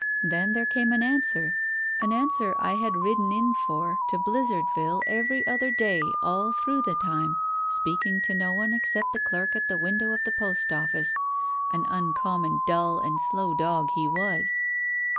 Then there came an answer, an answer I had ridden in for to Blizzardville every other day all through the time, speaking to no one except the clerk at the window of the post office — an uncommon dull and slow dog he was.